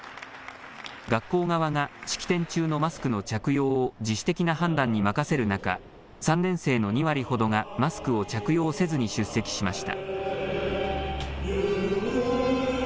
学校側が式典中のマスクの着用を自主的な判断に任せる中、３年生の２割ほどがマスクを着用せずに出席しました。